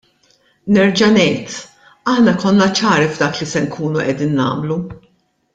Nerġa' ngħid, aħna konna ċari f'dak li se nkunu qegħdin nagħmlu.